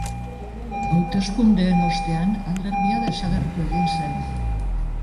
Hauteskundeen ostean alderdia desagertu egin zen.